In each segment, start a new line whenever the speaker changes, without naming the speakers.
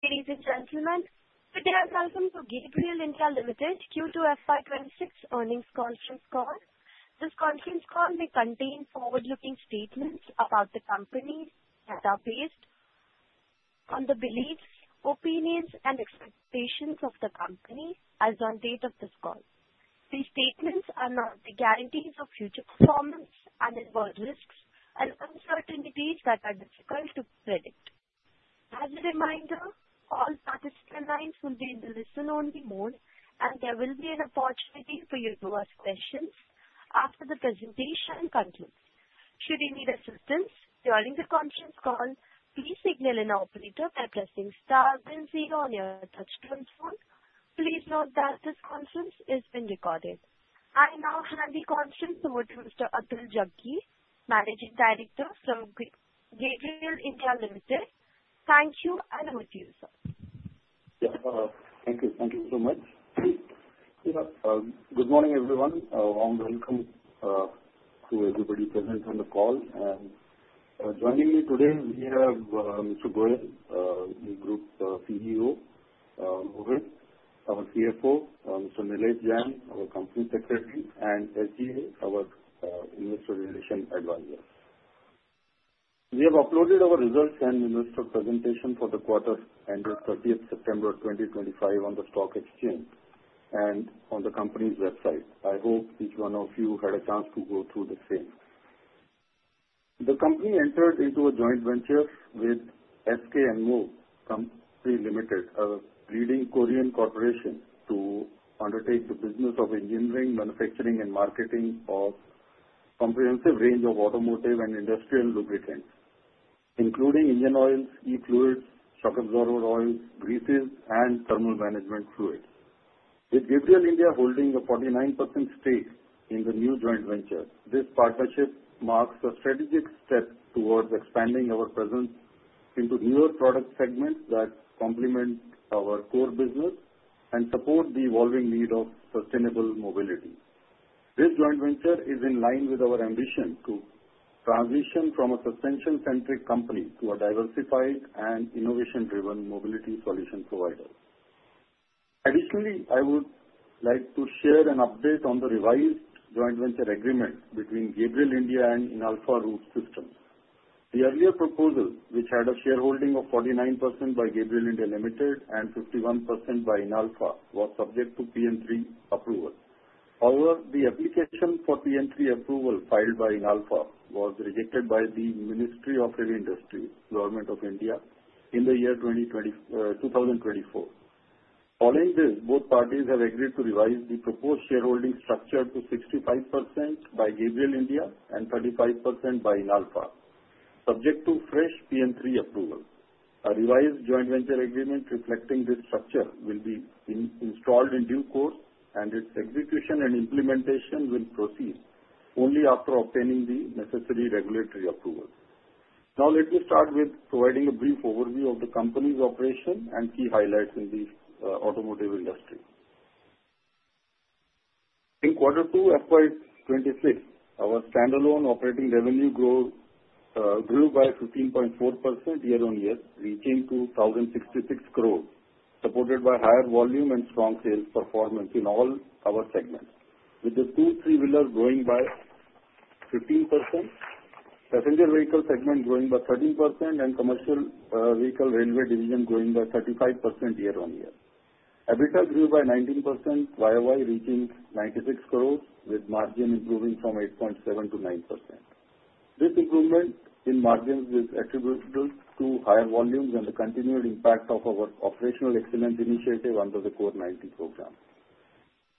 Ladies and gentlemen, today I welcome to Gabriel India Limited Q2 FY 2026 earnings conference call. This conference call may contain forward-looking statements about the company that are based on the beliefs, opinions, and expectations of the company as of the date of this call. These statements are not the guarantees of future performance and involve risks and uncertainties that are difficult to predict. As a reminder, all participant lines will be in the listen-only mode, and there will be an opportunity for you to ask questions after the presentation concludes. Should you need assistance during the conference call, please signal an operator by pressing star and zero on your touchscreen phone. Please note that this conference is being recorded. I now hand the conference over to Mr. Atul Jaggi, Managing Director from Gabriel India Limited. Thank you, and over to you, sir.
Yes, thank you. Thank you so much. Good morning, everyone. Warm welcome to everybody present on the call. Joining me today, we have Mr. Goyal, the Group CEO, Mohit, our CFO, Mr. Nilesh Jain, our Company Secretary, and SGA, our Investor Relations Advisor. We have uploaded our results and investor presentation for the quarter ended 30th September 2025 on the stock exchange and on the company's website. I hope each one of you had a chance to go through the same. The company entered into a joint venture with SK Enmove Co., Ltd., a leading Korean corporation, to undertake the business of engineering, manufacturing, and marketing of a comprehensive range of automotive and industrial lubricants, including engine oils, e-fluids, shock absorber oils, greases, and thermal management fluids. With Gabriel India holding a 49% stake in the new joint venture, this partnership marks a strategic step towards expanding our presence into newer product segments that complement our core business and support the evolving need of sustainable mobility. This joint venture is in line with our ambition to transition from a suspension-centric company to a diversified and innovation-driven mobility solution provider. Additionally, I would like to share an update on the revised joint venture agreement between Gabriel India and Inalfa Roof Systems. The earlier proposal, which had a shareholding of 49% by Gabriel India Limited and 51% by Inalfa, was subject to PN3 approval. However, the application for PN3 approval filed by Inalfa was rejected by the Ministry of Heavy Industries, Government of India, in the year 2024. Following this, both parties have agreed to revise the proposed shareholding structure to 65% by Gabriel India and 35% by Inalfa, subject to fresh PN3 approval. A revised joint venture agreement reflecting this structure will be installed in due course, and its execution and implementation will proceed only after obtaining the necessary regulatory approval. Now, let me start with providing a brief overview of the company's operation and key highlights in the automotive industry. In quarter two FY 2026, our standalone operating revenue grew by 15.4% year-on-year, reaching 2,066 crore, supported by higher volume and strong sales performance in all our segments, with the two- and three-wheelers growing by 15%, passenger vehicle segment growing by 13%, and commercial vehicle and railway division growing by 35% year-on-year. EBITDA grew by 19%, YoY reaching 96 crore, with margin improving from 8.7% to 9%. This improvement in margins is attributable to higher volumes and the continued impact of our Operational Excellence Initiative under the CORE 90 program.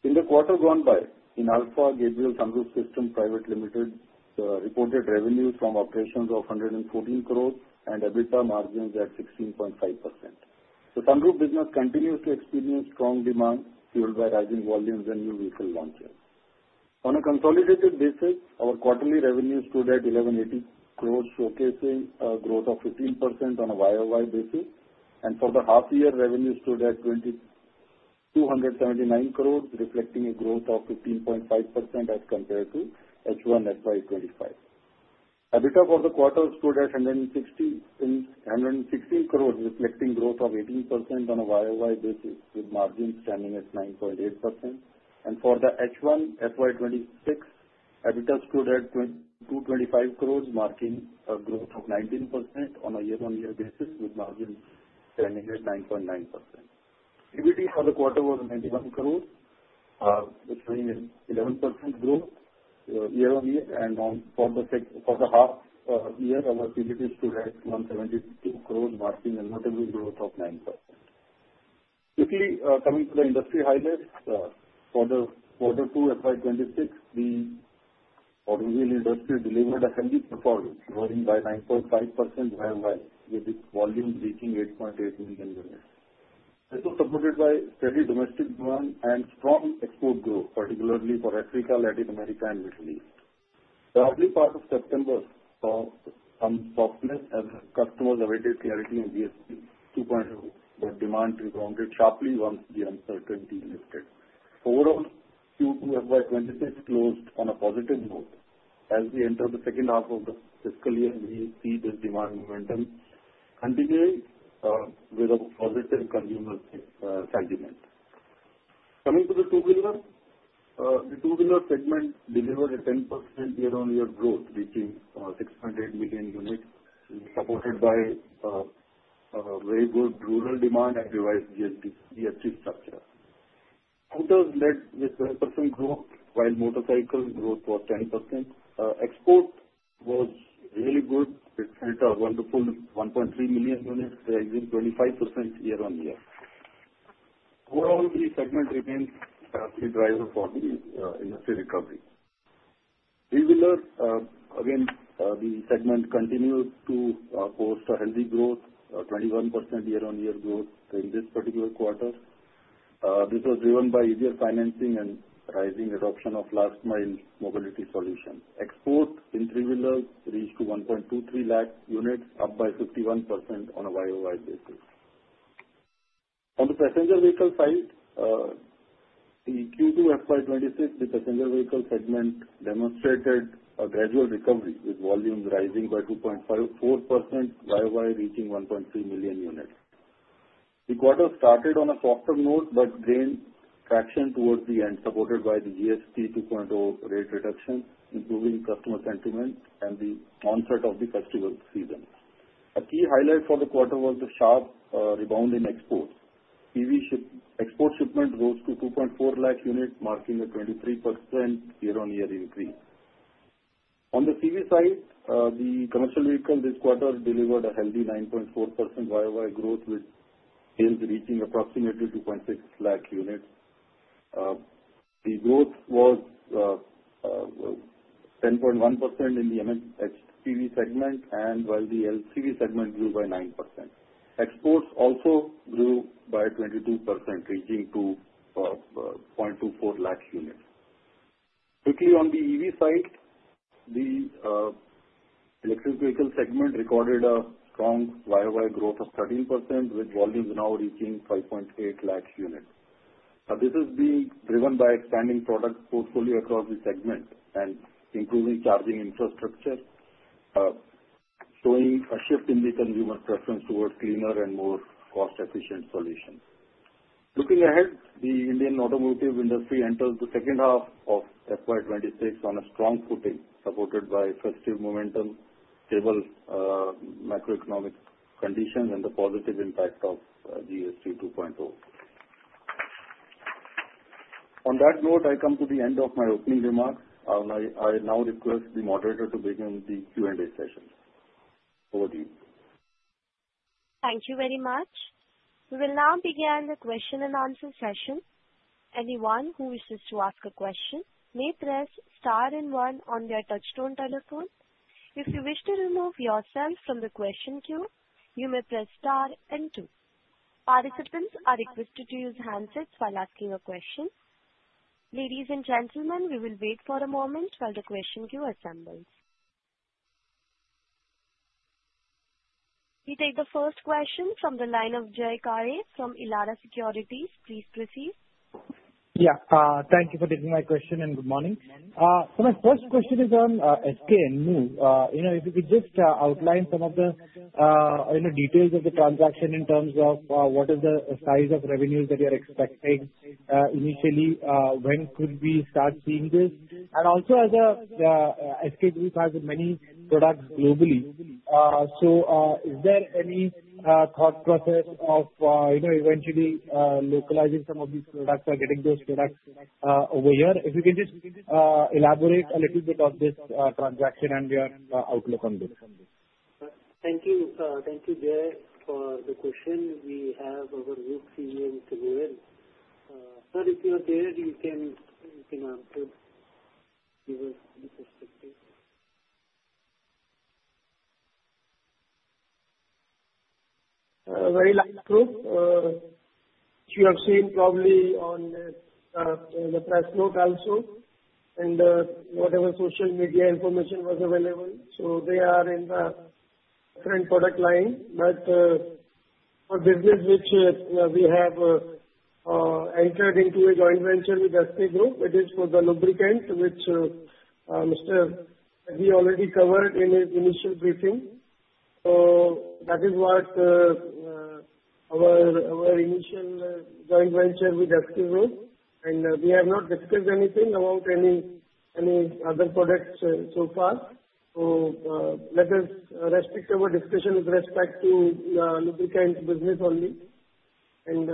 In the quarter gone by, Inalfa Gabriel Sunroof Systems Private Limited reported revenues from operations of 114 crore and EBITDA margins at 16.5%. The Sunroof business continues to experience strong demand fueled by rising volumes and new vehicle launches. On a consolidated basis, our quarterly revenue stood at 1,180 crore, showcasing a growth of 15% on a YoY basis, and for the half-year, revenue stood at 279 crore, reflecting a growth of 15.5% as compared to H1 FY 2025. EBITDA for the quarter stood at 116 crore, reflecting growth of 18% on a YoY basis, with margins standing at 9.8%, and for the H1 FY 2026, EBITDA stood at INR 225 crore, marking a growth of 19% on a year-on-year basis, with margins standing at 9.9%. EBITDA for the quarter was 91 crore, showing an 11% growth year-on-year, and for the half-year, our EBITDA stood at 172 crore, marking a notable growth of 9%. Quickly coming to the industry highlights, for the quarter two FY 2026, the automobile industry delivered a heady performance, growing by 9.5% year-on-year, with its volume reaching 8.8 million units. This was supported by steady domestic demand and strong export growth, particularly for Africa, Latin America, and the Middle East. The early part of September saw some softness as customers awaited clarity on GST 2.0, but demand rebounded sharply once the uncertainty lifted. Overall, Q2 FY 2026 closed on a positive note. As we enter the second half of the fiscal year, we see this demand momentum continuing with a positive consumer sentiment. Coming to the two-wheeler, the two-wheeler segment delivered a 10% year-on-year growth, reaching 608 million units, supported by very good rural demand and revised GST structure. Scooters led with 12% growth, while motorcycle growth was 10%. Export was really good. It entered a wonderful 1.3 million units, rising 25% year-on-year. Overall, the segment remains a key driver for the industry recovery. Three-wheeler, again, the segment continued to post a healthy growth, 21% year-on-year growth in this particular quarter. This was driven by easier financing and rising adoption of last-mile mobility solutions. Export in three-wheelers reached 1.23 lakh units, up by 51% on a YoY basis. On the passenger vehicle side, the Q2 FY 2026, the passenger vehicle segment demonstrated a gradual recovery, with volumes rising by 2.4% YoY, reaching 1.3 million units. The quarter started on a softer note but gained traction towards the end, supported by the GST 2.0 rate reduction, improving customer sentiment, and the onset of the festival season. A key highlight for the quarter was the sharp rebound in exports. Export shipment rose to 2.4 lakh units, marking a 23% year-on-year increase. On the CV side, the commercial vehicle this quarter delivered a healthy 9.4% YoY growth, with sales reaching approximately 2.6 lakh units. The growth was 10.1% in the M&HCV segment, while the LCV segment grew by 9%. Exports also grew by 22%, reaching 2.24 lakh units. Quickly, on the EV side, the electric vehicle segment recorded a strong YoY growth of 13%, with volumes now reaching 5.8 lakh units. This is being driven by expanding product portfolio across the segment and improving charging infrastructure, showing a shift in the consumer preference towards cleaner and more cost-efficient solutions. Looking ahead, the Indian automotive industry enters the second half of FY 2026 on a strong footing, supported by festive momentum, stable macroeconomic conditions, and the positive impact of GST 2.0. On that note, I come to the end of my opening remarks, and I now request the moderator to begin the Q&A session. Over to you.
Thank you very much. We will now begin the question and answer session. Anyone who wishes to ask a question may press star and one on their touch-tone telephone. If you wish to remove yourself from the question queue, you may press star and two. Participants are requested to use handsets while asking a question. Ladies and gentlemen, we will wait for a moment while the question queue assembles. We take the first question from the line of Jay Kale from Elara Securities. Please proceed.
Yeah. Thank you for taking my question and Good morning. So my first question is on SK Enmove. If you could just outline some of the details of the transaction in terms of what is the size of revenues that you're expecting initially, when could we start seeing this? And also, as SK Group has many products globally, so is there any thought process of eventually localizing some of these products or getting those products over here? If you can just elaborate a little bit on this transaction and your outlook on this.
Thank you, Jay, for the question. We have our up CEO, Mr. Goyal. Sir, if you are there, you can answer, give us the perspective.
Very last group. You have seen probably on the press note also and whatever social media information was available. So they are in the current product line. But for business, which we have entered into a joint venture with SK Group, it is for the lubricant, which Mr. Jaggi already covered in his initial briefing. So that is what our initial joint venture with SK Group. And we have not discussed anything about any other products so far. So let us restrict our discussion with respect to lubricant business only. And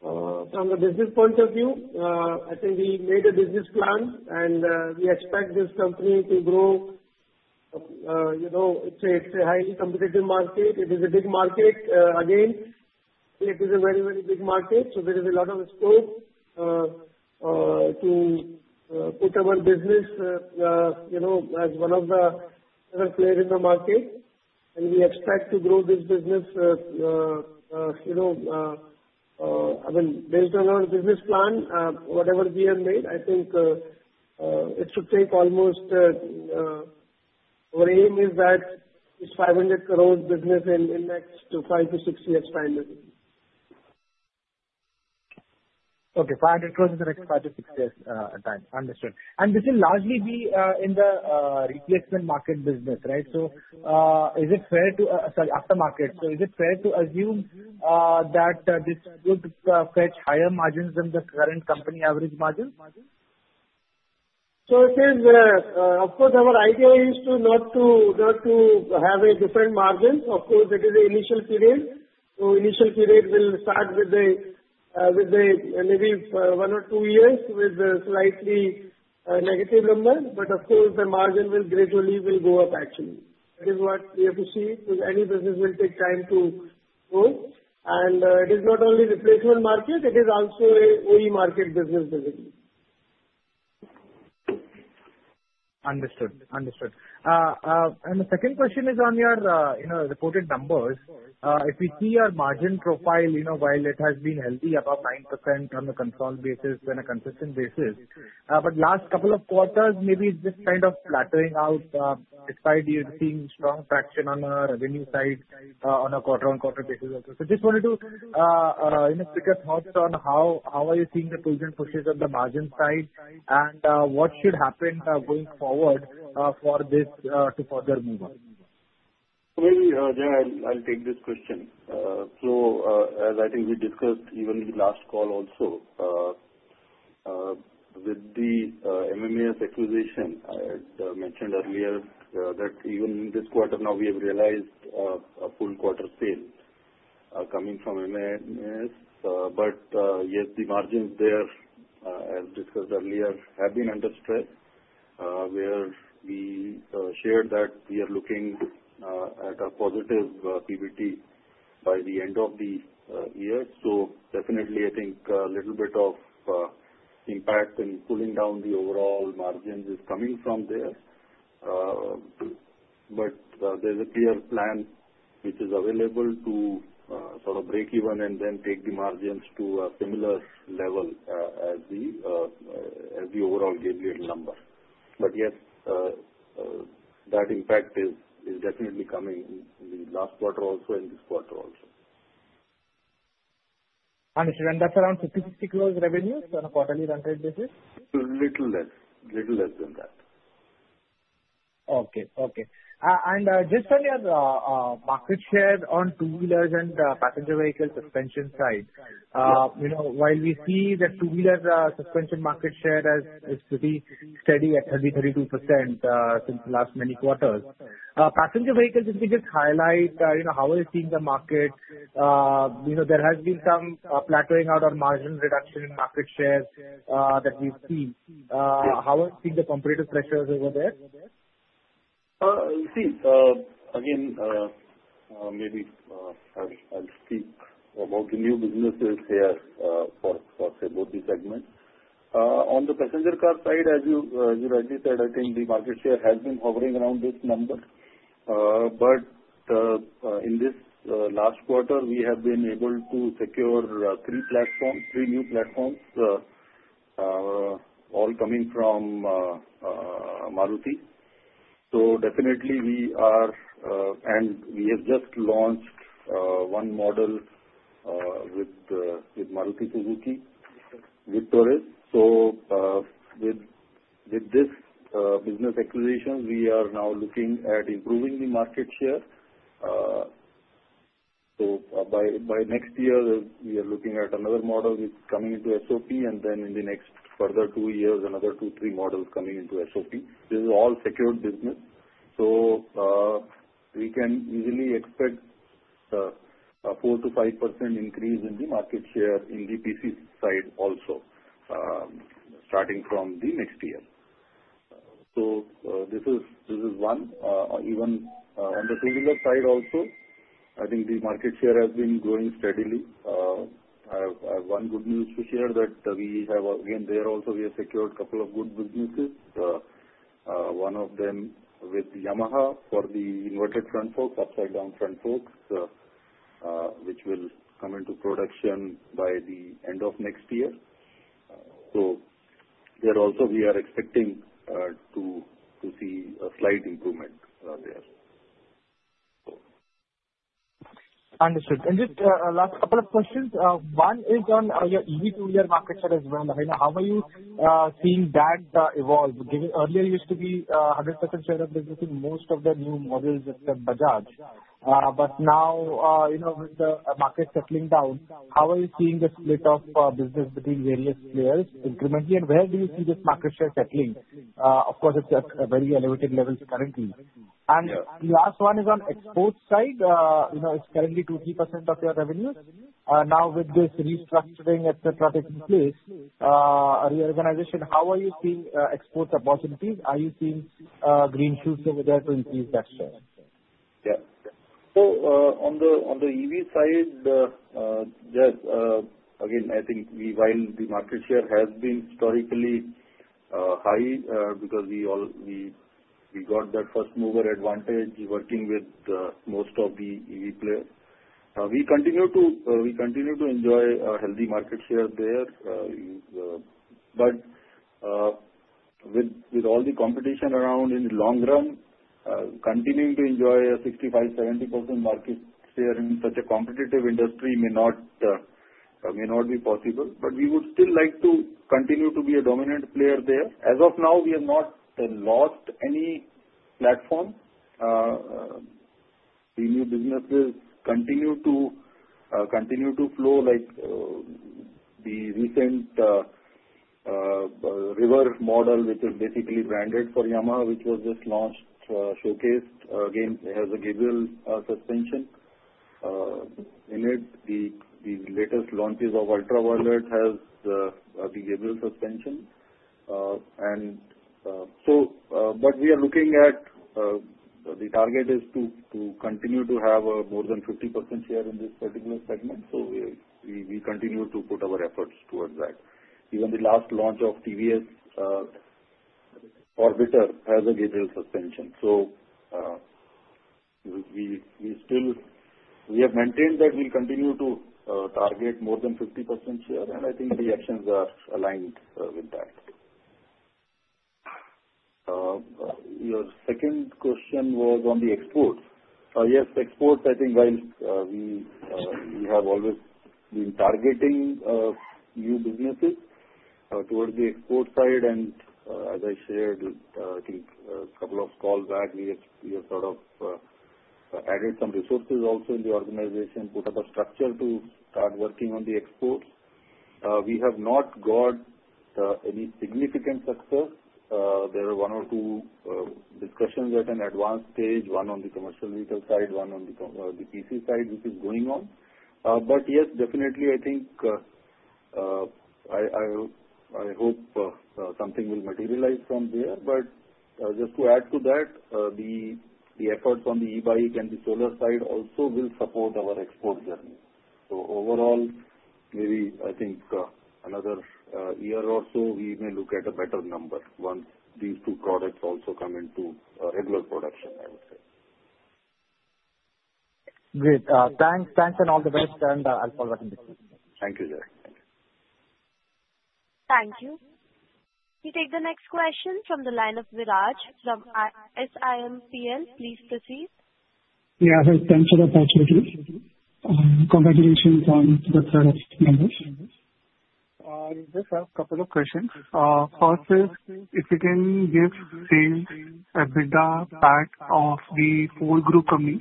from the business point of view, I think we made a business plan, and we expect this company to grow. It's a highly competitive market. It is a big market. Again, it is a very, very big market. So there is a lot of scope to put our business as one of the other players in the market. We expect to grow this business. I mean, based on our business plan, whatever we have made, I think it should take almost our aim is that it's 500 crore business in the next five to six years' time.
Okay. 500 crore in the next five to six years' time. Understood, and this will largely be in the replacement market business, right? So is it fair to, sorry, after market. So is it fair to assume that this would fetch higher margins than the current company average margin?
Of course, our idea is not to have a different margin. Of course, it is an initial period. Initial period will start with maybe one or two years with a slightly negative number. But of course, the margin will gradually go up, actually. That is what we have to see. Any business will take time to grow. It is not only replacement market. It is also an OE market business, basically.
Understood. Understood. And the second question is on your reported numbers. If we see our margin profile, while it has been healthy, about 9% on a consolidated basis, but last couple of quarters, maybe it's just kind of flattening out, despite you seeing strong traction on the revenue side on a quarter-on-quarter basis also. So just wanted to get your thoughts on how are you seeing the pushes and pulls on the margin side and what should happen going forward for this to further move up?
So maybe, Jay, I'll take this question. So as I think we discussed even in the last call also, with the MMAS acquisition, I mentioned earlier that even in this quarter now, we have realized a full quarter sale coming from MMAS. But yes, the margins there, as discussed earlier, have been under stress, where we shared that we are looking at a positive PBT by the end of the year. So definitely, I think a little bit of impact and pulling down the overall margins is coming from there. But there's a clear plan which is available to sort of break even and then take the margins to a similar level as the overall GAP rate number. But yes, that impact is definitely coming in the last quarter also and this quarter also.
Understood. And that's around 50 crore- 60 crore revenues on a quarterly run rate basis?
A little less. A little less than that.
Okay. Okay. And just on your market share on two-wheelers and passenger vehicle suspension side, while we see that two-wheeler suspension market share is pretty steady at 30%-32% since the last many quarters, passenger vehicles, if you could just highlight how are you seeing the market? There has been some flattening out on marginal reduction in market share that we've seen. How are you seeing the competitive pressures over there?
You see, again, maybe I'll speak about the new businesses here for both the segments. On the passenger car side, as you rightly said, I think the market share has been hovering around this number. But in this last quarter, we have been able to secure three platforms, three new platforms, all coming from Maruti. So definitely, we are—and we have just launched one model with Maruti Suzuki Invicto. So with this business acquisition, we are now looking at improving the market share. So by next year, we are looking at another model coming into SOP, and then in the next further two years, another two, three models coming into SOP. This is all secured business. So we can easily expect a 4%-5% increase in the market share in the PC side also, starting from the next year. So this is one. Even on the two-wheeler side also, I think the market share has been growing steadily. I have one good news to share that we have again there also, we have secured a couple of good businesses, one of them with Yamaha for the inverted front forks, upside-down front forks, which will come into production by the end of next year. So there also, we are expecting to see a slight improvement there.
Understood. And just last couple of questions. One is on your EV two-wheeler market share as well. How are you seeing that evolve? Earlier, you used to be 100% share of business in most of the new models except Bajaj. But now, with the market settling down, how are you seeing the split of business between various players incrementally? And where do you see this market share settling? Of course, it's at a very elevated level currently. And the last one is on export side. It's currently 23% of your revenues. Now, with this restructuring, etc., taking place, reorganization, how are you seeing export opportunities? Are you seeing green shoots over there to increase that share?
Yes. So on the EV side, yes. Again, I think while the market share has been historically high because we got that first mover advantage working with most of the EV players, we continue to enjoy a healthy market share there. But with all the competition around in the long run, continuing to enjoy a 65%-70% market share in such a competitive industry may not be possible. But we would still like to continue to be a dominant player there. As of now, we have not lost any platform. The new businesses continue to flow like the recent River model, which is basically branded for Yamaha, which was just launched, showcased. Again, it has a Gabriel suspension. In it, the latest launches of Ultraviolette has the Gabriel suspension. We are looking at the target is to continue to have more than 50% share in this particular segment. We continue to put our efforts towards that. Even the last launch of TVS Orbiter has a Gabriel suspension. We have maintained that we'll continue to target more than 50% share, and I think the actions are aligned with that. Your second question was on the exports. Yes, exports. I think, while we have always been targeting new businesses towards the export side. As I shared, I think a couple of calls back, we have sort of added some resources also in the organization, put up a structure to start working on the exports. We have not got any significant success. There are one or two discussions at an advanced stage, one on the commercial vehicle side, one on the PC side, which is going on, but yes, definitely, I think I hope something will materialize from there, but just to add to that, the efforts on the e-bike and the aftermarket side also will support our export journey, so overall, maybe I think another year or so, we may look at a better number once these two products also come into regular production, I would say.
Great. Thanks. Thanks and all the best, and I'll follow up this week.
Thank you, Jay.
We take the next question from the line of Viraj from SiMPL. Please proceed.
Yeah. Thanks for the opportunity. Congratulations on the set of numbers.
I just have a couple of questions. First is, if you can give the same EBITDA breakup of the four group companies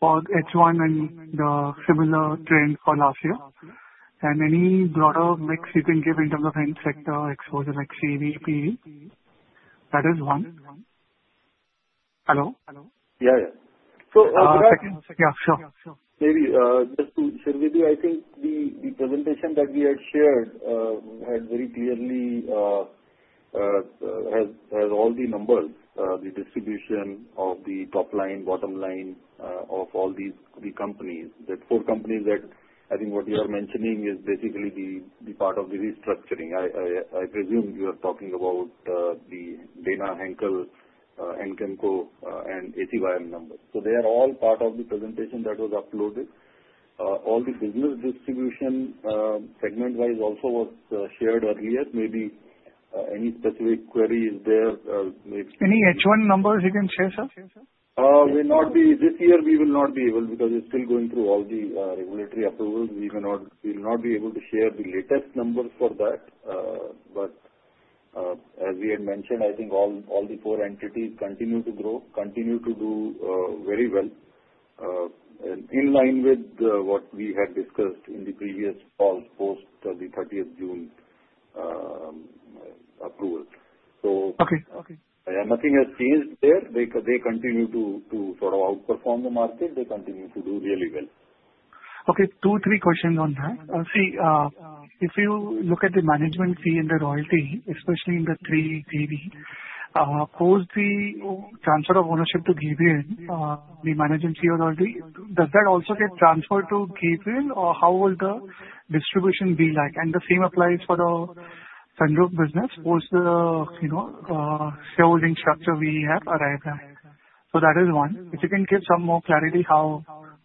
for H1 and the similar trend for last year, and any broader mix you can give in terms of end sector exposure like CV, PV? That is one. Hello? Yeah, yeah.
Viraj, yeah, sure.
Maybe just to share with you, I think the presentation that we had shared had very clearly has all the numbers, the distribution of the top line, bottom line of all these companies, the four companies that I think what you are mentioning is basically the part of the restructuring. I presume you are talking about the Dana, Henkel, Anchemco, and ACYM numbers. So they are all part of the presentation that was uploaded. All the business distribution segment-wise also was shared earlier. Maybe any specific queries there?
Any H1 numbers you can share, sir?
May not be. This year, we will not be able because it's still going through all the regulatory approvals. We will not be able to share the latest numbers for that. But as we had mentioned, I think all the four entities continue to grow, continue to do very well, in line with what we had discussed in the previous call post the 30th June approval. So nothing has changed there. They continue to sort of outperform the market. They continue to do really well.
Okay. Two or three questions on that. See, if you look at the management fee and the royalty, especially in the 3 JV, post the transfer of ownership to Gabriel, the management fee or royalty, does that also get transferred to Gabriel, or how will the distribution be like? And the same applies for the sunroof business post the shareholding structure we have arrived at. So that is one. If you can give some more clarity, how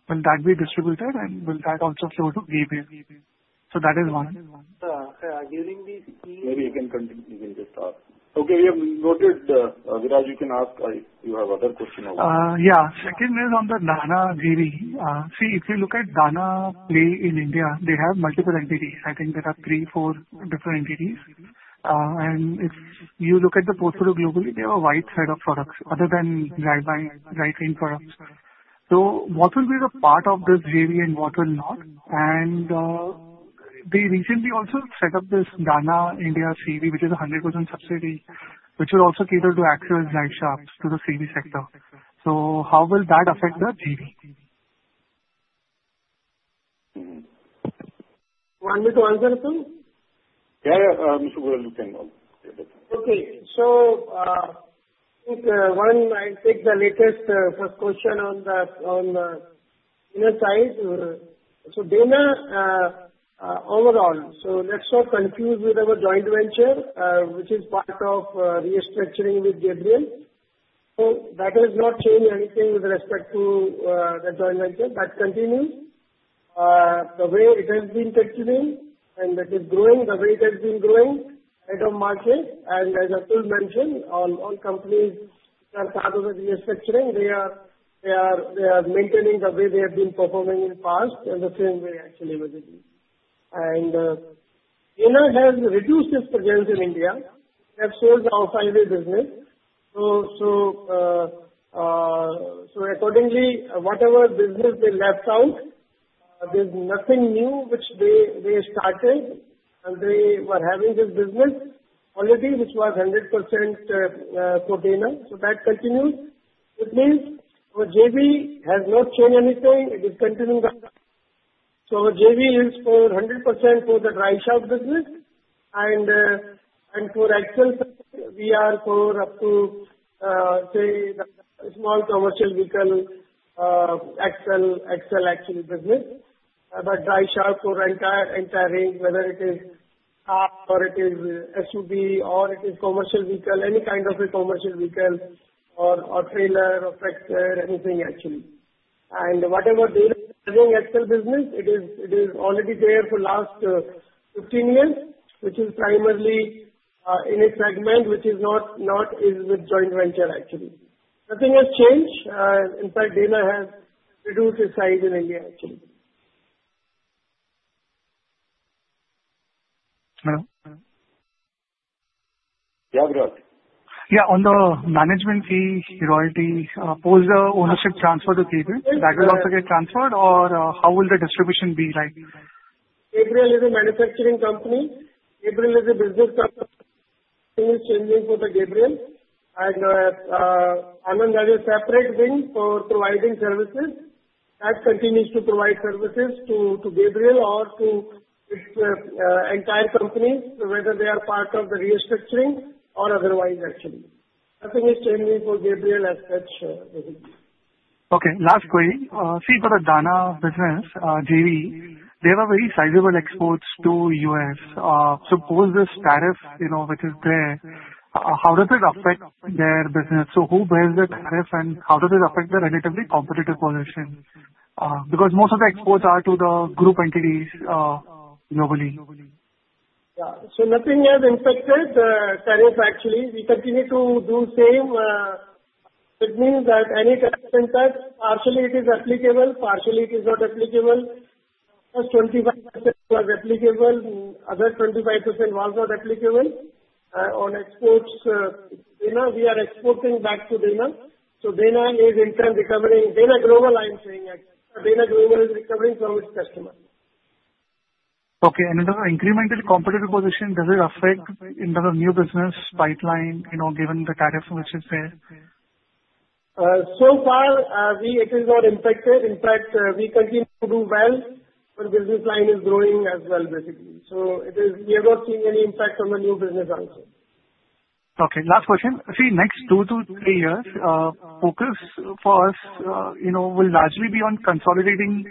will that be distributed, and will that also flow to Gabriel? So that is one.
Maybe you can continue. You can just ask. Okay. We have noted Viraj. You can ask if you have other questions also.
Yeah. Second is on the Dana JV. See, if you look at Dana's play in India, they have multiple entities. I think there are three, four different entities. And if you look at the portfolio globally, they have a wide set of products other than driveline products. So what will be the part of this JV and what will not? And they recently also set up this Dana India CV, which is a 100% subsidiary, which will also cater to axles, driveshafts to the CV sector. So how will that affect the JV?
You want me to answer, Atul?
Yeah, yeah. Mr. Goyal, you can go ahead.
Okay. One, I'll take the latest first question on the Dana side. So Dana, overall, so let's not confuse with our joint venture, which is part of restructuring with Gabriel. So that has not changed anything with respect to the joint venture, but continues the way it has been continuing, and it is growing the way it has been growing at the market. And as Atul mentioned, all companies are part of the restructuring. They are maintaining the way they have been performing in the past in the same way, actually, with it. And Dana has reduced its presence in India. They have sold off the business. So accordingly, whatever business they left out, there's nothing new which they started, and they were having this business already, which was 100% for Dana. So that continues. It means our JV has not changed anything. It is continuing on. So JV is 100% for the driveshaft business. And for axle, we are for up to, say, small commercial vehicle axle actually business. But driveshaft for entire range, whether it is car or it is SUV or it is commercial vehicle, any kind of a commercial vehicle or trailer or tractor, anything actually. And whatever they are doing, axle business, it is already there for the last 15 years, which is primarily in a segment which is not with joint venture actually. Nothing has changed. In fact, Dana has reduced its size in India actually. Hello?
Yeah, Viraj.
Yeah. On the management fee royalty, post the ownership transfer to Gabriel, that will also get transferred, or how will the distribution be like?
Gabriel is a manufacturing company. Gabriel is a business company. Everything is changing for the Gabriel, and ANAND has a separate wing for providing services, that continues to provide services to Gabriel or to its entire companies, whether they are part of the restructuring or otherwise actually. Nothing is changing for Gabriel as such basically.
Okay. Last question. See, for the Dana business, JV, they have a very sizable exports to the U.S. So post this tariff, which is there, how does it affect their business? So who bears the tariff, and how does it affect their relatively competitive position? Because most of the exports are to the group entities globally.
Yeah, so nothing has affected the tariff actually. We continue to do the same. It means that any tax impact. Partially, it is applicable. Partially, it is not applicable. Just 25% was applicable. Other 25% was not applicable on exports. We are exporting back to Dana, so Dana is in turn recovering. Dana Global, I'm saying. Dana Global is recovering from its customers.
Okay. And the incremented competitive position, does it affect the new business pipeline given the tariff which is there?
So far, it is not infected. In fact, we continue to do well. Our business line is growing as well basically. So we have not seen any impact on the new business also.
Okay. Last question. See, next two to three years, focus for us will largely be on consolidating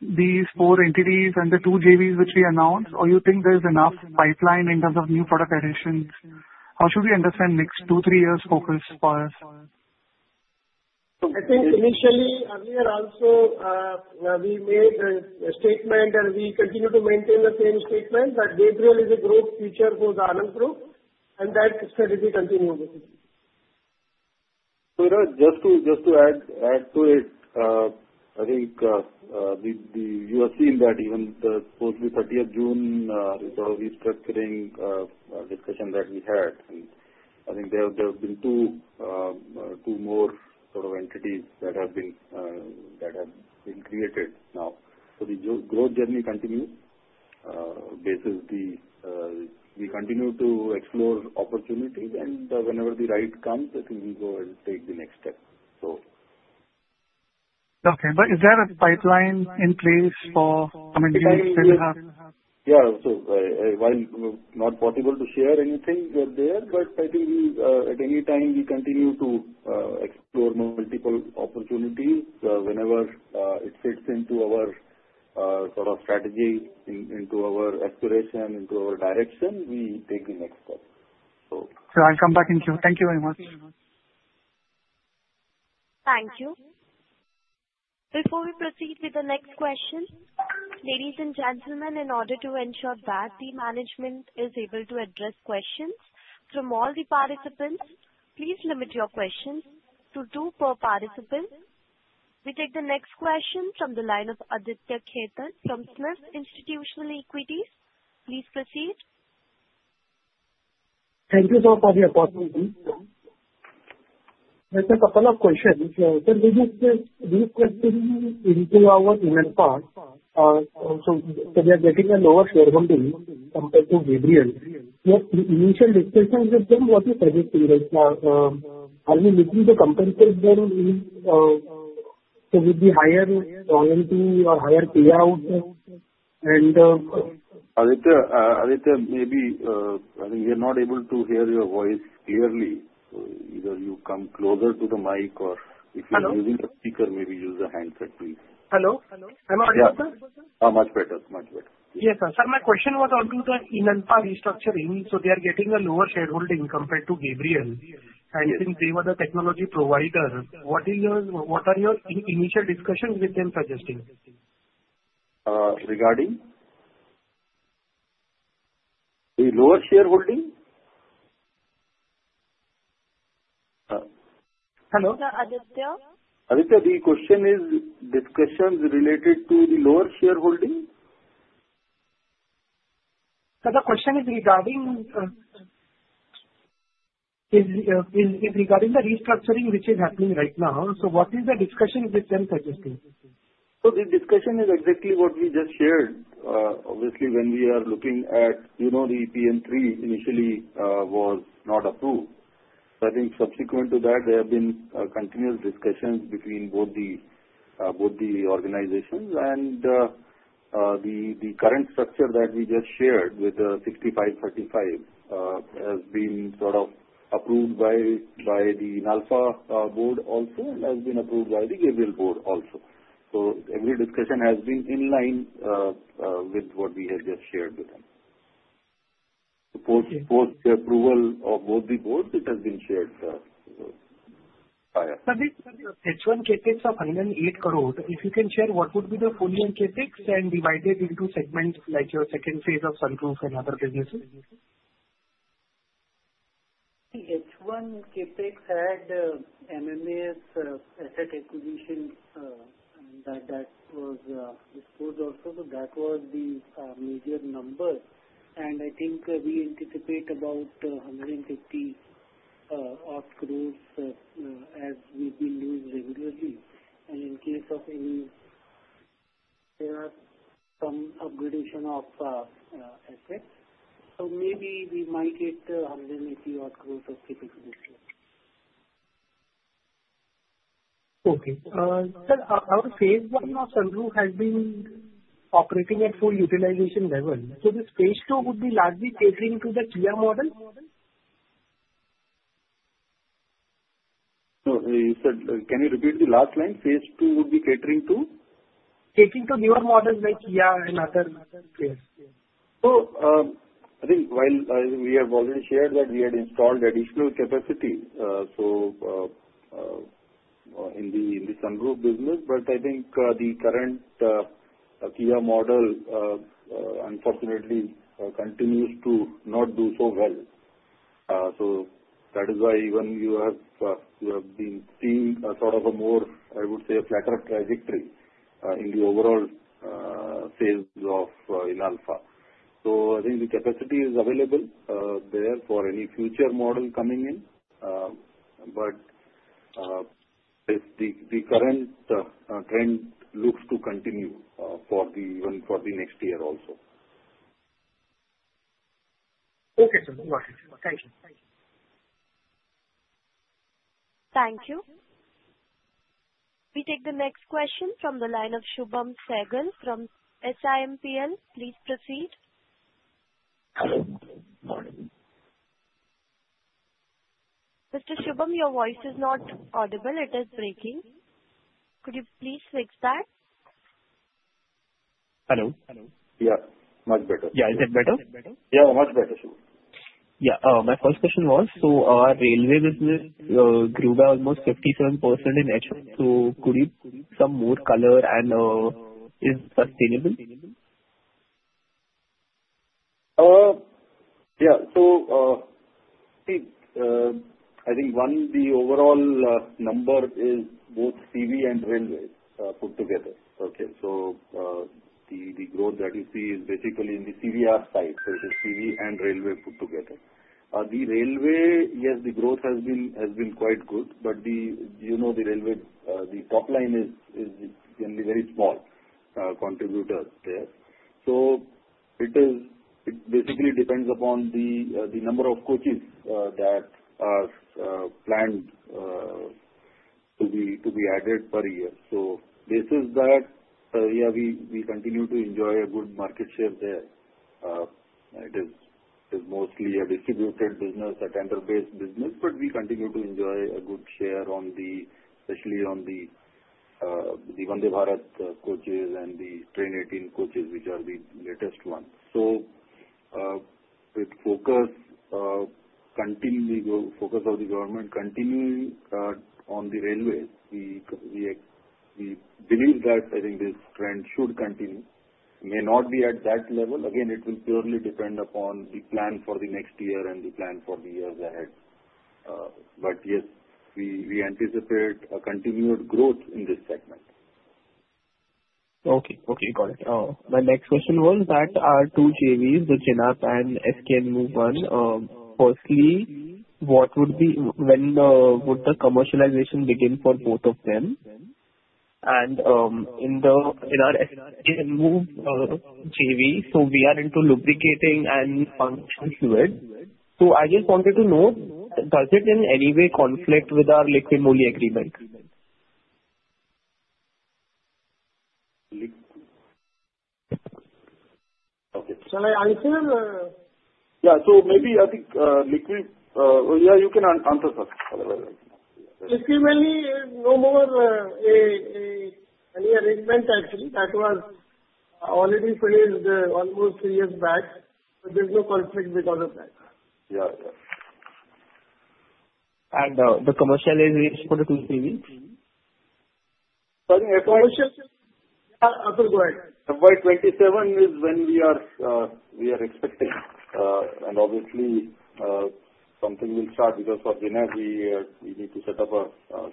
these four entities and the two JVs which we announced. Or you think there's enough pipeline in terms of new product additions? How should we understand next two to three years' focus for us?
I think initially, earlier also, we made a statement, and we continue to maintain the same statement that Gabriel is a growth feature for the ANAND Group, and that strategy continues.
Viraj, just to add to it, I think you have seen that even post the 30th June restructuring discussion that we had, and I think there have been two more sort of entities that have been created now. So the growth journey continues basically. We continue to explore opportunities, and whenever the right comes, I think we go and take the next step, so.
Okay. But is there a pipeline in place for some entities still have?
Yeah. So while not possible to share anything there, but I think at any time, we continue to explore multiple opportunities. Whenever it fits into our sort of strategy, into our exploration, into our direction, we take the next step, so.
Sure. I'll come back in queue. Thank you very much.
Thank you. Before we proceed with the next question, ladies and gentlemen, in order to ensure that the management is able to address questions from all the participants, please limit your questions to two per participant. We take the next question from the line of Aditya Khetan from SMIFS Institutional Equities. Please proceed.
Thank you so much for your question. I have a couple of questions. So this is a question into our inner part. So we are getting a lower shareholding compared to Gabriel. Yes, the initial discussion with them was positive. Are we looking to compensate them with the higher volume or higher payout?
Aditya, maybe I think we are not able to hear your voice clearly so either you come closer to the mic or if you're using a speaker, maybe use a handset, please.
Hello? I'm audible?
Oh, much better. Much better.
Yes, sir. So my question was onto the Inalfa restructuring. So they are getting a lower shareholding compared to Gabriel. And since they were the technology provider, what are your initial discussions with them suggesting?
Regarding the lower shareholding?
Hello?
Aditya.
Aditya, the question is discussions related to the lower shareholding?
Sir, the question is regarding the restructuring which is happening right now. So what is the discussion with them suggesting?
The discussion is exactly what we just shared. Obviously, when we are looking at the PN3, initially was not approved. I think subsequent to that, there have been continuous discussions between both the organizations. The current structure that we just shared with the 65-35 has been sort of approved by the Inalfa board also and has been approved by the Gabriel board also. Every discussion has been in line with what we have just shared with them. Post the approval of both the boards, it has been shared by us.
But this H1 CapEx of INR 108 crore, if you can share, what would be the full H1 CapEx and divide it into segments like your second phase of Sunroof and other businesses?
The H1 CapEx had MMAS asset acquisition that was disposed also, so that was the major number, and I think we anticipate about 150 odd crore as we've been doing regularly, and in case of any there are some upgradation of assets, so maybe we might get 180 odd crore of CapEx this year.
Our Phase 1 of sunroof has been operating at full utilization level. This phase two would be largely catering to the Kia model?
So can you repeat the last line? Phase 2 would be catering to?
Catering to newer models like Kia and other players.
So I think while we have already shared that we had installed additional capacity in the sunroof business, but I think the current Kia model, unfortunately, continues to not do so well. So that is why even you have been seeing sort of a more, I would say, a flatter trajectory in the overall sales of sunroof. So I think the capacity is available there for any future model coming in. But if the current trend looks to continue for the next year also.
Okay. Thank you.
Thank you. We take the next question from the line of Shubham Sehgal from SiMPL. Please proceed.
Hello. Good morning.
Mr. Shubham, your voice is not audible. It is breaking. Could you please fix that?
Hello.
Yeah. Much better, Shubham.
Yeah. Is it better?
Yeah. Much better.
Yeah. My first question was, so our railway business grew by almost 57% in H1. So, could you give some more color, and is it sustainable?
Yeah. So see, I think one, the overall number is both CV and railways put together. Okay. So the growth that you see is basically in the CVR side. So it is CV and railway put together. The railway, yes, the growth has been quite good. But the railway, the top line is generally very small contributor there. So it basically depends upon the number of coaches that are planned to be added per year. So basis that, yeah, we continue to enjoy a good market share there. It is mostly a distributed business, a tender-based business, but we continue to enjoy a good share especially on the Vande Bharat coaches and the Train 18 coaches, which are the latest ones. So with continual focus of the government continuing on the railways, we believe that I think this trend should continue. It may not be at that level. Again, it will purely depend upon the plan for the next year and the plan for the years ahead. But yes, we anticipate a continued growth in this segment.
Okay. Got it. My next question was that our two JVs, the Inalfa and SK Enmove, firstly, what would be when would the commercialization begin for both of them? And in our SK Enmove JV, so we are into lubricants and functional fluids. So I just wanted to know, does it in any way conflict with our Liqui Moly agreement?
Shall I answer
So I feel, yeah. So maybe I think Liqui, yeah, you can answer first.
Liqui Moly is no more any arrangement actually that was already placed almost three years back. So there's no conflict because of that.
Yeah. Yeah.
The commercialization for the 2 JVs?
Sorry. Yeah. Go ahead.
FY 2027 is when we are expecting, and obviously, something will start because of JINHAP. We need to set up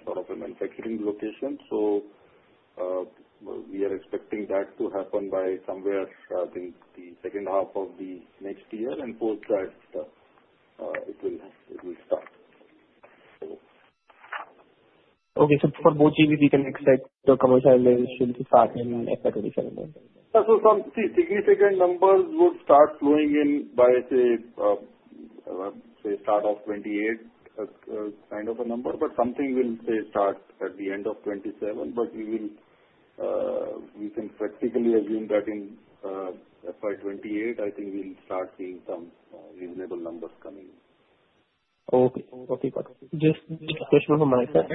sort of a manufacturing location, so we are expecting that to happen by somewhere in the second half of the next year and post that, it will start.
Okay, so for both CVs, we can expect the commercialization to start in FY 2027?
Yeah. So some significant numbers would start flowing in by, say, start of 2028, kind of a number. But something will, say, start at the end of 2027. But we can practically assume that in FY 2028, I think we'll start seeing some reasonable numbers coming.
Okay. Got it. Just a question from my side.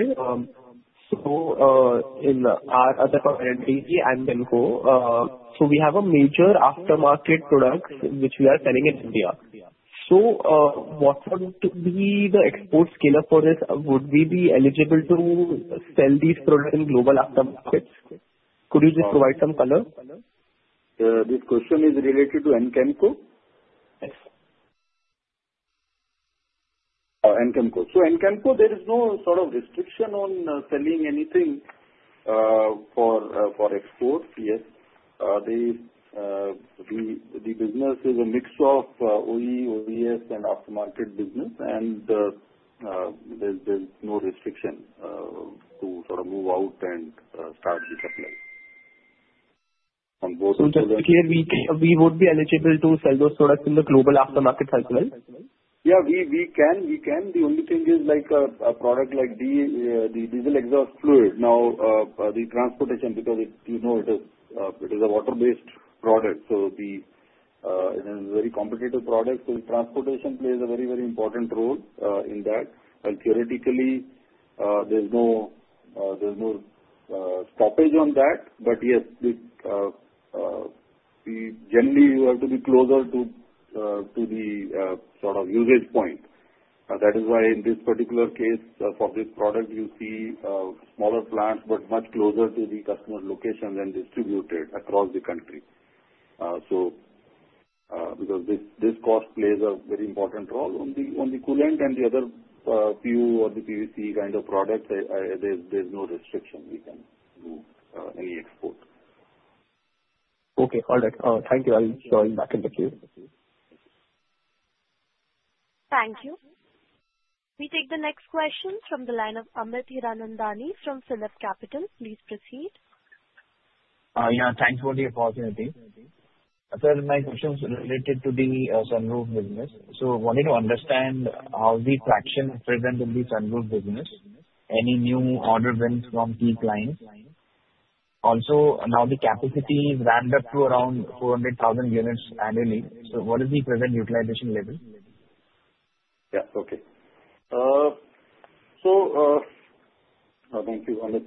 So in our other company. So we have a major aftermarket product which we are selling in India. So what would be the export scale-up for this? Would we be eligible to sell these products in global aftermarkets? Could you just provide some color?
This question is related to Anchemco?
Yes.
Anchemco. so Anchemco there is no sort of restriction on selling anything for export, yes. The business is a mix of OE, OES, and aftermarket business. There's no restriction to sort of move out and start the supply on both of them.
So to be clear, we would be eligible to sell those products in the global aftermarket cycle?
Yeah. We can. We can. The only thing is a product like the diesel exhaust fluid. Now, the transportation, because it is a water-based product. So it is a very competitive product. So the transportation plays a very, very important role in that. And theoretically, there's no stoppage on that. But yes, generally, you have to be closer to the sort of usage point. That is why in this particular case for this product, you see smaller plants but much closer to the customer location than distributed across the country. So because this cost plays a very important role on the coolant and the other E-fluid or the PVC kind of products, there's no restriction. We can do any export.
Okay. All right. Thank you. I'll join back in the queue.
Thank you. We take the next question from the line of Amit Hiranandani from PhillipCapital. Please proceed.
Yeah. Thanks for the opportunity. So my question is related to the sunroof business. So I wanted to understand how the traction present in the sunroof business, any new order went from key clients. Also, now the capacity is ramped up to around 400,000 units annually. So what is the present utilization level?
Yeah. Okay. So thank you, Amit.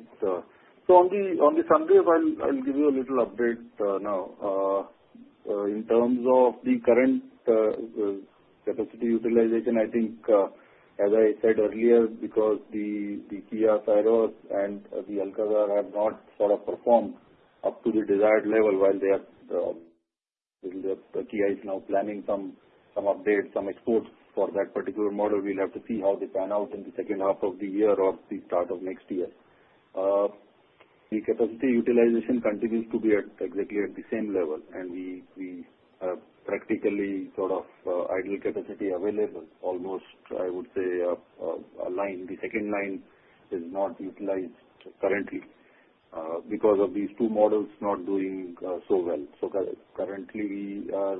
So on the Sunroof, I'll give you a little update now. In terms of the current capacity utilization, I think, as I said earlier, because the Kia Syros and the Alcazar have not sort of performed up to the desired level while they are. Kia is now planning some update, some exports for that particular model. We'll have to see how they pan out in the second half of the year or the start of next year. The capacity utilization continues to be exactly at the same level. And we have practically sort of idle capacity available almost, I would say, a line. The second line is not utilized currently because of these two models not doing so well. So currently, we are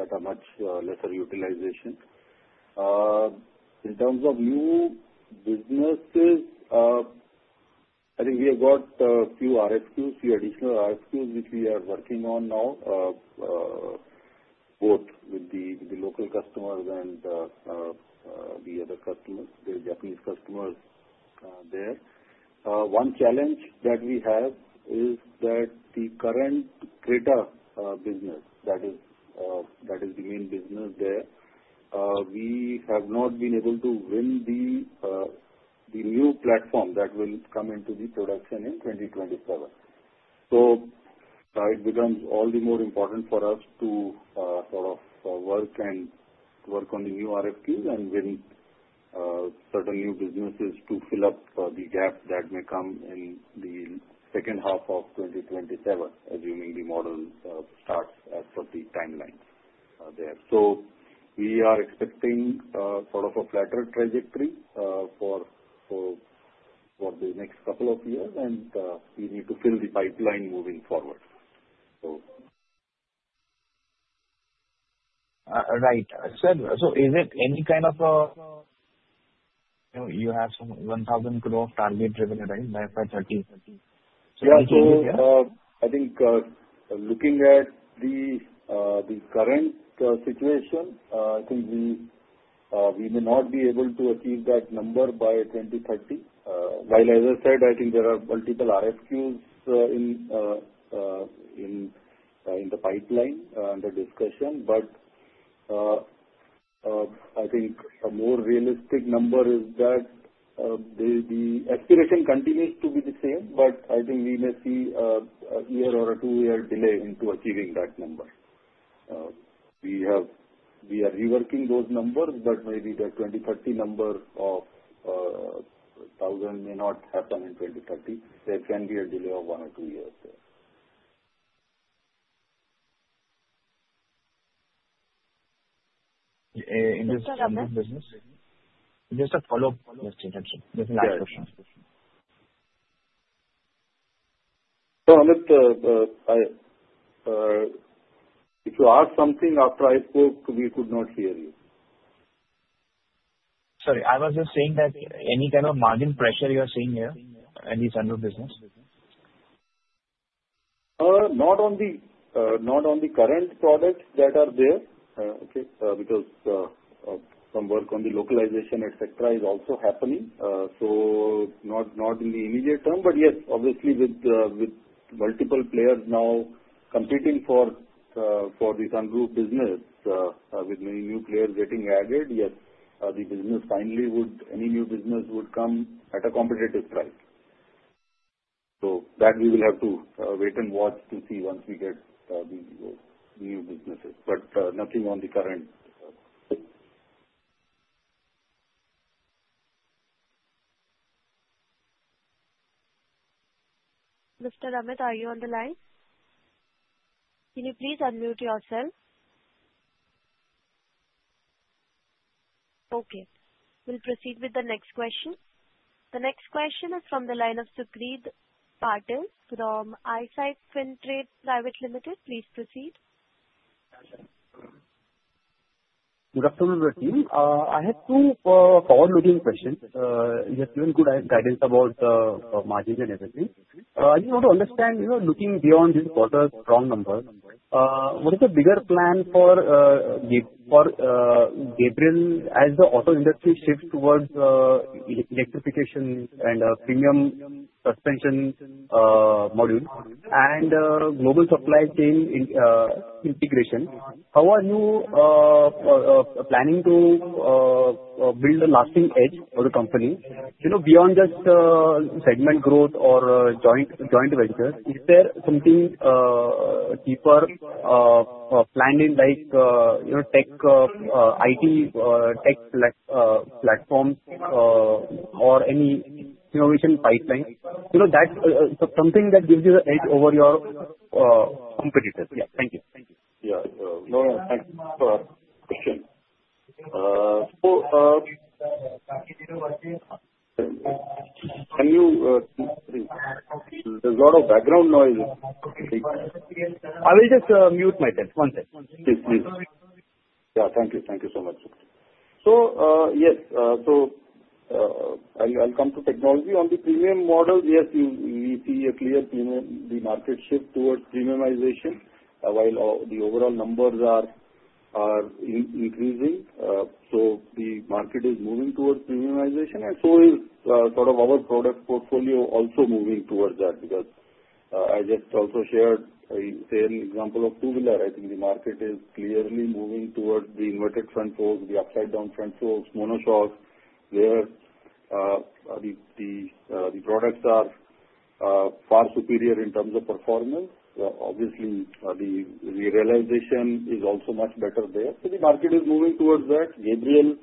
at a much lesser utilization. In terms of new businesses, I think we have got a few RFQs, few additional RFQs which we are working on now, both with the local customers and the other customers, the Japanese customers there. One challenge that we have is that the current Creta business, that is the main business there, we have not been able to win the new platform that will come into the production in 2027, so it becomes all the more important for us to sort of work on the new RFQs and win certain new businesses to fill up the gap that may come in the second half of 2027, assuming the model starts as per the timeline there, so we are expecting sort of a flatter trajectory for the next couple of years, and we need to fill the pipeline moving forward, so.
Right. So is it any kind of you have some 1,000 crore target revenue, right, by FY 2020? So any changes there?
Yeah. I think looking at the current situation, I think we may not be able to achieve that number by 2030. While, as I said, I think there are multiple RFQs in the pipeline under discussion. But I think a more realistic number is that the aspiration continues to be the same. But I think we may see a year or a two-year delay into achieving that number. We are reworking those numbers, but maybe the 2030 number of 1,000 may not happen in 2030. There can be a delay of one or two years there.
Just a follow-up question. Just a last question.
Yeah. So Amit, if you ask something after I spoke, we could not hear you.
Sorry. I was just saying that any kind of margin pressure you are seeing here in the sunroof business?
Not on the current products that are there. Okay. Because some work on the localization, etc., is also happening. So not in the immediate term. But yes, obviously, with multiple players now competing for the sunroof business, with many new players getting added, yes, the business finally would any new business come at a competitive price. So that we will have to wait and watch to see once we get these new businesses. But nothing on the current.
Mr. Amit, are you on the line? Can you please unmute yourself? Okay. We'll proceed with the next question. The next question is from the line of Sucrit Patil from Eyesight Fintrade Private Limited. Please proceed.
Good afternoon, Atul. I have two power-moving questions. You have given good guidance about margins and everything. I just want to understand, looking beyond this quarter's strong numbers, what is the bigger plan for Gabriel as the auto industry shifts towards electrification and premium suspension modules and global supply chain integration? How are you planning to build a lasting edge for the company beyond just segment growth or joint ventures? Is there something deeper planned in like tech IT tech platforms or any innovation pipeline? That's something that gives you the edge over your competitors. Yeah. Thank you.
There's a lot of background noise, Sucrit.
I will just mute myself. One second.
Please, please. Yeah. Thank you. Thank you so much. Yes. I'll come to technology. On the premium models, yes, we see a clear market shift towards premiumization while the overall numbers are increasing. The market is moving towards premiumization. Our product portfolio is also moving towards that because I just also shared an example of two-wheeler. The market is clearly moving towards the inverted front forks, the upside-down front forks, monoshocks where the products are far superior in terms of performance. Obviously, the realization is also much better there. The market is moving towards that. Gabriel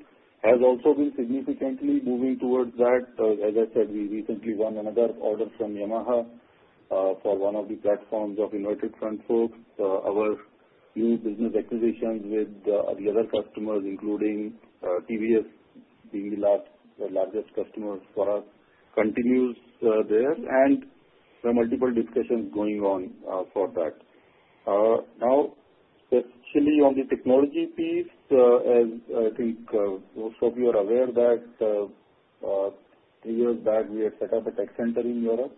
has also been significantly moving towards that. As I said, we recently won another order from Yamaha for one of the platforms of inverted front forks. Our new business acquisitions with the other customers, including TVS, being the largest customers for us, continues there, and there are multiple discussions going on for that. Now, especially on the technology piece, as I think most of you are aware that three years back, we had set up a tech center in Europe.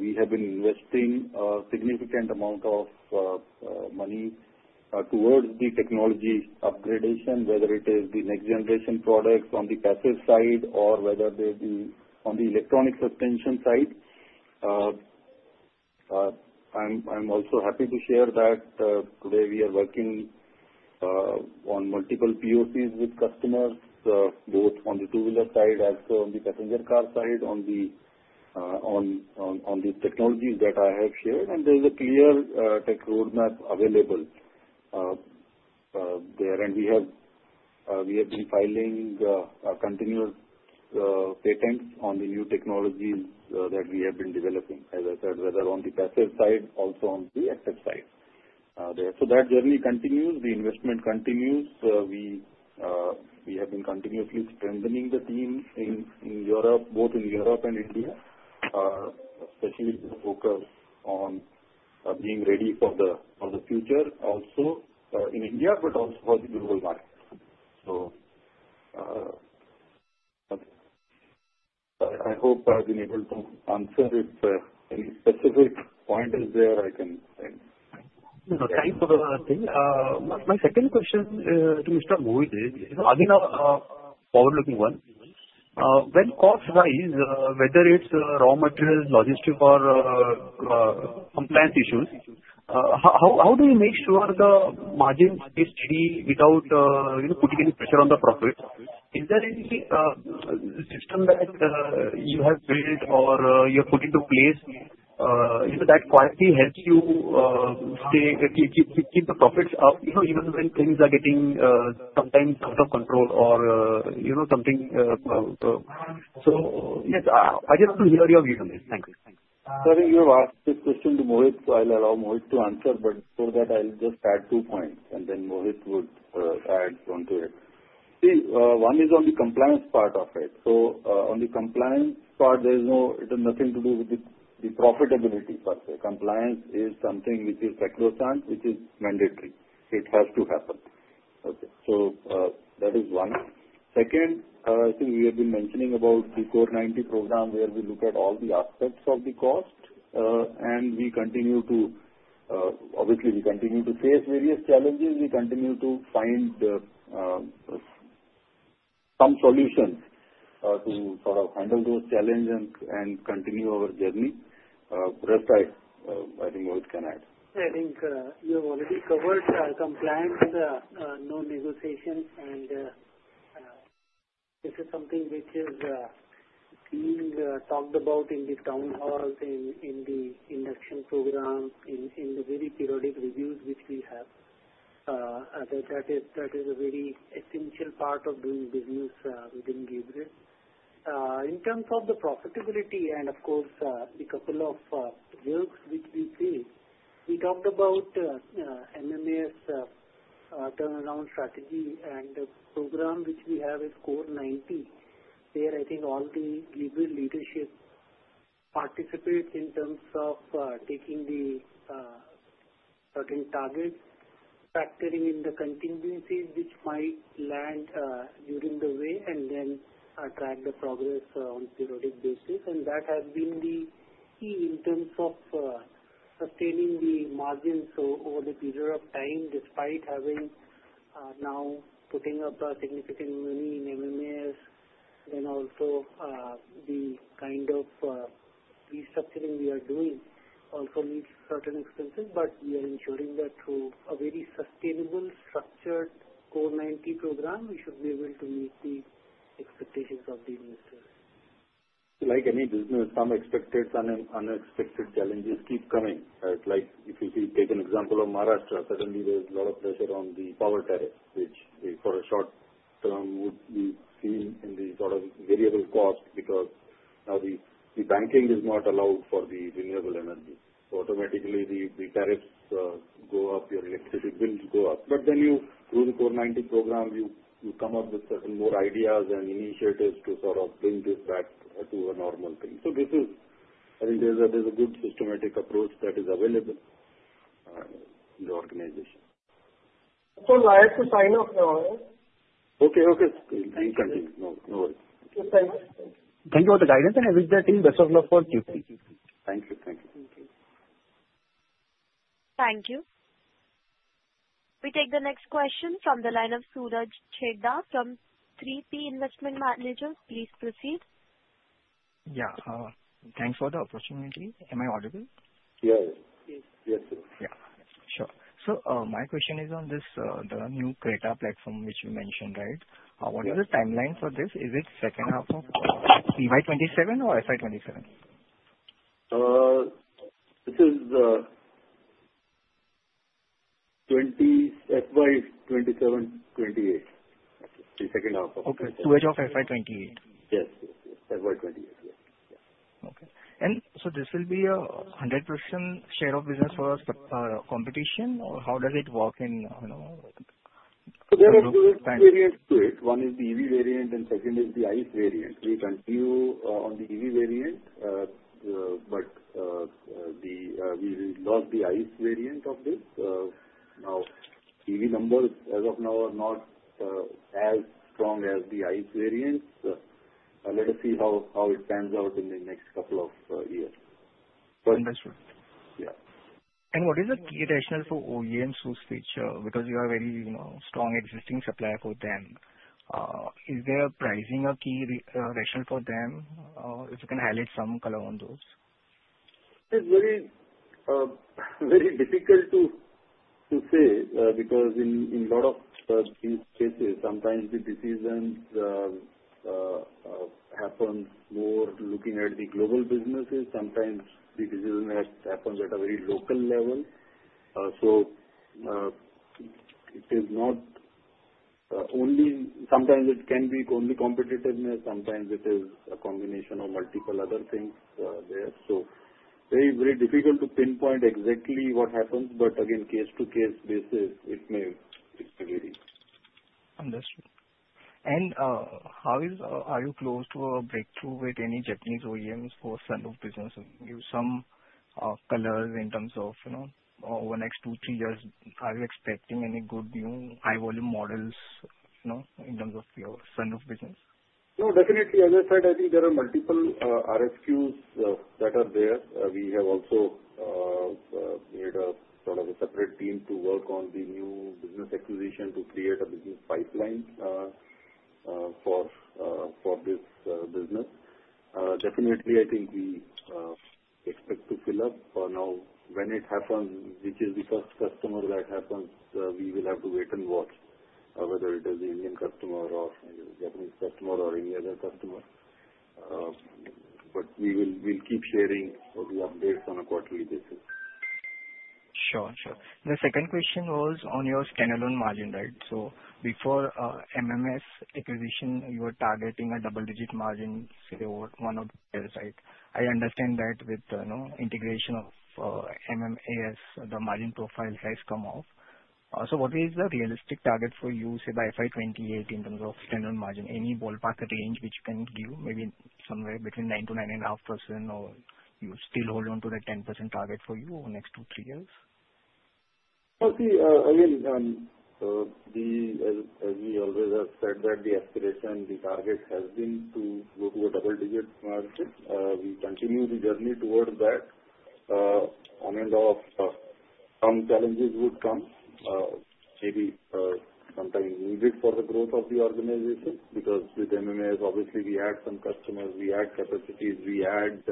We have been investing a significant amount of money towards the technology upgradation, whether it is the next generation products on the passive side or whether they be on the electronic suspension side. I'm also happy to share that today we are working on multiple POCs with customers, both on the two-wheeler side as well as on the passenger car side, on the technologies that I have shared, and there is a clear tech roadmap available there. And we have been filing continuous patents on the new technologies that we have been developing, as I said, whether on the passive side, also on the active side. That journey continues. The investment continues. We have been continuously strengthening the team in Europe, both in Europe and India, especially to focus on being ready for the future, also in India, but also for the global market. I hope I've been able to answer. If any specific point is there, I can say.
Thanks for the thing. My second question to Mr. Mohit is, so it'll be a forward-looking one. When costs rise, whether it's raw materials, logistics, or compliance issues, how do you make sure the margin is steady without putting any pressure on the profits? Is there any system that you have built or you have put into place that quietly helps you keep the profits up even when things are getting sometimes out of control or something? So yes, I just want to hear your view on this. Thank you.
Sorry, you asked this question to Mohit. So I'll allow Mohit to answer. But for that, I'll just add two points. And then Mohit would add onto it. See, one is on the compliance part of it. So on the compliance part, there is nothing to do with the profitability, per se. Compliance is something which is across, which is mandatory. It has to happen. Okay. So that is one. Second, I think we have been mentioning about the CORE 90 program where we look at all the aspects of the cost. And we obviously continue to face various challenges. We continue to find some solutions to sort of handle those challenges and continue our journey. The rest I think Mohit can add.
I think you have already covered compliance, no negotiation. And this is something which is being talked about in the town halls, in the induction program, in the very periodic reviews which we have. That is a very essential part of doing business within Gabriel. In terms of the profitability and, of course, the couple of jokes which we see, we talked about MMAS turnaround strategy and the program which we have is CORE 90. There, I think all the Gabriel leadership participates in terms of taking the certain targets, factoring in the contingencies which might land during the way, and then track the progress on a periodic basis. And that has been the key in terms of sustaining the margins over the period of time, despite having now putting up a significant money in MMAS. Then also, the kind of restructuring we are doing also meets certain expenses. But we are ensuring that through a very sustainable, structured CORE 90 program, we should be able to meet the expectations of the investors.
Like any business, some expected and unexpected challenges keep coming. If you take an example of Maharashtra, suddenly there's a lot of pressure on the power tariffs, which for a short term would be seen in the sort of variable cost because now the banking is not allowed for the renewable energy. So automatically, the tariffs go up, your electricity bills go up. But then you, through the CORE 90 program, you come up with certain more ideas and initiatives to sort of bring this back to a normal thing. So I think there's a good systematic approach that is available in the organization.
So I have to sign off now, right?
Okay. You can continue. No worries.
Thank you for the guidance, and I wish the team the best of luck for Q3.
Thank you. Thank you.
Thank you. We take the next question from the line of Suraj Chheda from 3P Investment Managers. Please proceed.
Yeah. Thanks for the opportunity. Am I audible?
Yes. Yes, sir.
Yeah. Sure. So my question is on this, the new Creta platform which you mentioned, right? What is the timeline for this? Is it second half of FY 2027 or FY 2027?
This is FY 2027, FY 2028. The second half of FY 2027.
Okay. So it's FY 2028?
Yes. Yes. Yes. FY 2028. Yes.
Okay. And so this will be a 100% share of business for competition Or how does it work in?
There are two variants to it. One is the EV variant, and second is the ICE variant. We continue on the EV variant. But we lost the ICE variant of this. Now, EV numbers as of now are not as strong as the ICE variants. Let us see how it pans out in the next couple of years.
Understood.
Yeah.
What is the key rationale for OEMs who switch? Because you are a very strong existing supplier for them. Is their pricing a key rationale for them? If you can highlight some color on those?
It's very difficult to say because in a lot of these cases, sometimes the decisions happen more looking at the global businesses. Sometimes the decisions happen at a very local level. So it is not only sometimes it can be only competitiveness. Sometimes it is a combination of multiple other things there. So very, very difficult to pinpoint exactly what happens. But again, case-to-case basis, it may vary.
Understood. How are you close to a breakthrough with any Japanese OEMs for sunroof business? Give some color in terms of over the next two, three years. Are you expecting any good new high-volume models in terms of your sunroof business?
No, definitely. As I said, I think there are multiple RFQs that are there. We have also made a sort of a separate team to work on the new business acquisition to create a business pipeline for this business. Definitely, I think we expect to fill up. Now, when it happens, which is the first customer that happens, we will have to wait and watch whether it is the Indian customer or Japanese customer or any other customer. But we will keep sharing the updates on a quarterly basis.
Sure. Sure. The second question was on your standalone margin, right? So before MMAS acquisition, you were targeting a double-digit margin, say, one or two, right? I understand that with integration of MMAS, the margin profile has come off. So what is the realistic target for you, say, by FY 2028 in terms of standalone margin? Any ballpark range which you can give, maybe somewhere between 9%-9.5%, or you still hold on to the 10% target for you over the next two, three years?
See, again, as we always have said, that the aspiration, the target has been to go to a double-digit margin. We continue the journey towards that. On and off, some challenges would come, maybe sometimes needed for the growth of the organization because with MMAS, obviously, we had some customers. We had capacities. We had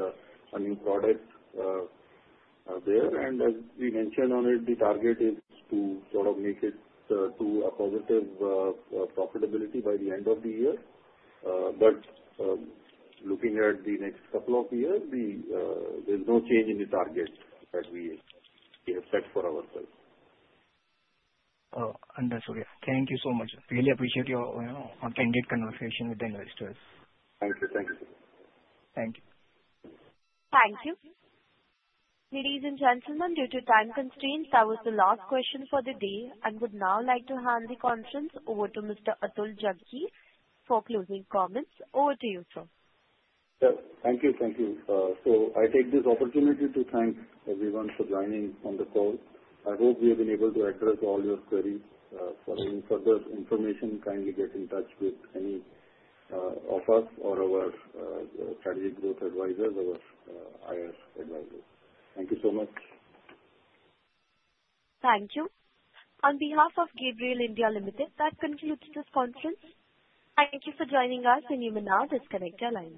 a new product there. And as we mentioned on it, the target is to sort of make it to a positive profitability by the end of the year. But looking at the next couple of years, there's no change in the target that we have set for ourselves.
Understood. Yeah. Thank you so much. Really appreciate your candid conversation with the investors.
Thank you. Thank you.
Thank you.
Thank you. Ladies and gentlemen, due to time constraints, that was the last question for the day. I would now like to hand the conference over to Mr. Atul Jaggi for closing comments. Over to you, sir.
Yes. Thank you. Thank you. So I take this opportunity to thank everyone for joining on the call. I hope we have been able to address all your queries. For any further information, kindly get in touch with any of us or our Strategy Growth Advisors, our IR advisors. Thank you so much.
Thank you. On behalf of Gabriel India Limited, that concludes this conference. Thank you for joining us, and you may now disconnect the line.